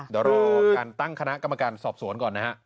เดี๋ยวเราตั้งคณะกรรมการสอบสวนก่อนนะครับ